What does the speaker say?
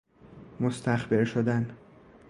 مستخبر شدن